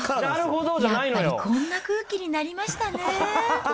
やっぱりこんな空気になりましたね。